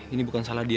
ini bukan salah dia ra